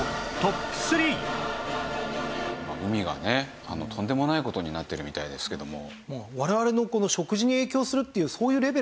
海がねとんでもない事になってるみたいですけども。